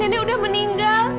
nenek udah meninggal